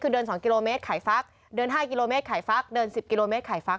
คือเดิน๒กิโลเมตรขายฟักเดิน๕กิโลเมตรขายฟักเดิน๑๐กิโลเมตรขายฟัก